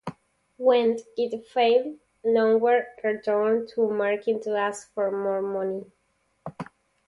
When it failed, Lomberg returned to Markin to ask for more money.